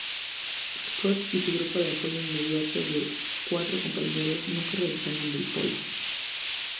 Scott y su grupo de apoyo inmediato de cuatro compañeros nunca regresaron del Polo.